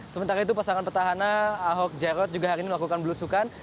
sementara itu pasangan petahana ahok jarot juga hari ini melakukan belusukan